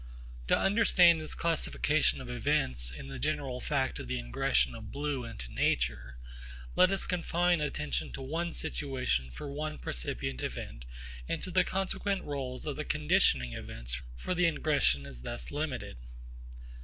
To understand this classification of events in the general fact of the ingression of blue into nature, let us confine attention to one situation for one percipient event and to the consequent rôles of the conditioning events for the ingression as thus limited.